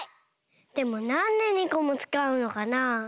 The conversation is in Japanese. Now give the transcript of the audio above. でもなんで２こもつかうのかなあ？